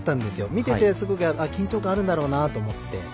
見ててすごく緊張感あるんだろうなと思って。